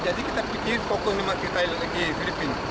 jadi kita pikir kokohnya kita lagi filipina